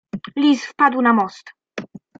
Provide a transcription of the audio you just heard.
"Lis wpadł na most."